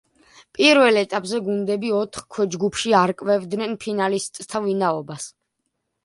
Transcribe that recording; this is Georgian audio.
პირველ ეტაპზე გუნდები ოთხ ქვეჯგუფში არკვევდნენ ფინალისტთა ვინაობას.